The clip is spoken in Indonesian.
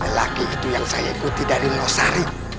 lelaki itu yang saya ikuti dari losari